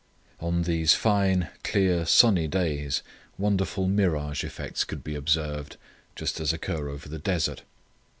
On these fine, clear, sunny days wonderful mirage effects could be observed, just as occur over the desert.